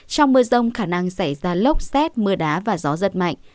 trong mưa rồng khả năng xảy ra lốc xét mưa đá và gió rất mạnh